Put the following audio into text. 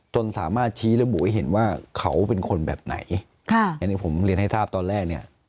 จนสามารถชี้ระบุให้เห็นว่าเขาเป็นคนแบบไหนค่ะอย่างที่ผมเรียนให้ทราบตอนแรกเนี่ย